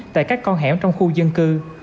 tại các con hẻm trong khu dân cư